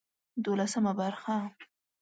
دولسمه برخه